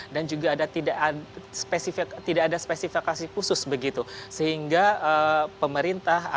dan juga tidak ada spesifikasi khusus begitu sehingga pemerintah ataupun juga instansi terkait tidak bisa membaiki